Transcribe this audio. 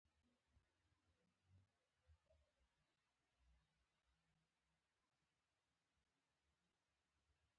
راته یې وویل سلام، روغ په خیر، څنګه یې؟